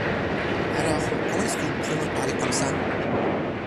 Alors ! Comment est-ce que vous pouvez me parlez comme ça ?